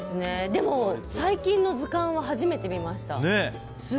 でも、最近の図鑑は初めて見ました。